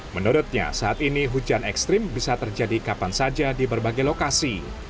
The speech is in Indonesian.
menurutnya saat ini hujan ekstrim bisa terjadi kapan saja di berbagai lokasi